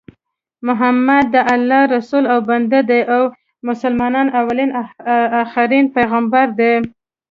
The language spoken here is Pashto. محمد د الله رسول او بنده دي او مسلمانانو اولين اخرين پیغمبر دي